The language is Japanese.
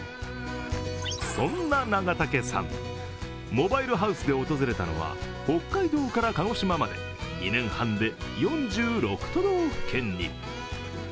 そんな長竹さん、モバイルハウスで訪れたのは北海道から鹿児島まで２年半で４６都道府県に。